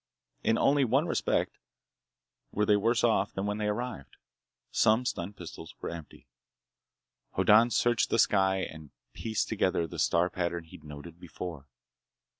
In only one respect were they worse off than when they arrived. Some stun pistols were empty. Hoddan searched the sky and pieced together the star pattern he'd noted before.